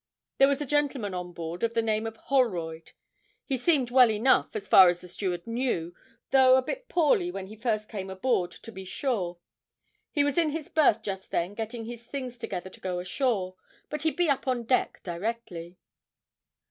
There was a gentleman on board of the name of Holroyd; he seemed well enough, as far as the steward knew, though a bit poorly when he first came aboard, to be sure; he was in his berth just then getting his things together to go ashore, but he'd be up on deck directly.